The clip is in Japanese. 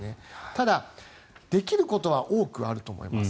ただ、できることは多くあると思います。